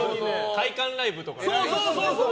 会館ライブとか。